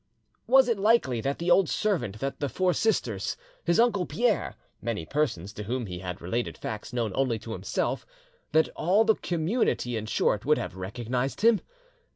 Was it likely that the old servant, that the four sisters, his uncle Pierre, many persons to whom he had related facts known only to himself, that all the community in short, would have recognised him?